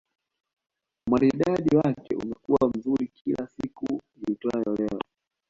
Umaridadi wake umekuwa mzuri kila siku iitwayo Leo